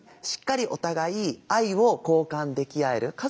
しっかりお互い愛を交換でき合える。